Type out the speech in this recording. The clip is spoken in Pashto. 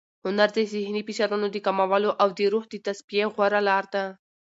هنر د ذهني فشارونو د کمولو او د روح د تصفیې غوره لار ده.